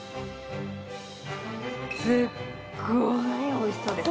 すっごいおいしそうです。